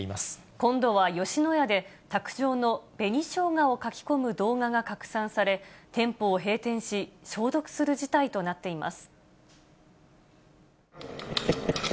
今度は吉野家で、卓上の紅しょうがをかき込む動画が拡散され、店舗を閉店し、消毒する事態となっています。